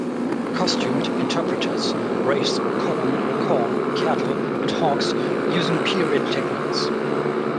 Costumed interpreters raise cotton, corn, cattle and hogs using period techniques.